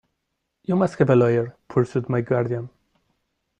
"You must have a lawyer," pursued my guardian.